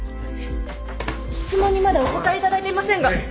質問にまだお答えいただいていませんが。